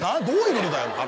どういうことだよ？